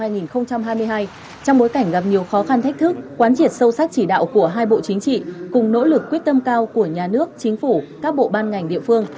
trong bối cảnh gặp nhiều khó khăn thách thức quán triệt sâu sắc chỉ đạo của hai bộ chính trị cùng nỗ lực quyết tâm cao của nhà nước chính phủ các bộ ban ngành địa phương